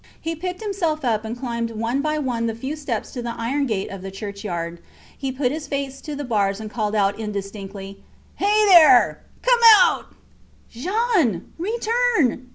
He picked himself up and climbed one by one the few steps to the iron gate of the churchyard. He put his face to the bars and called out indistinctly Hey there! Come out! Jean! Return!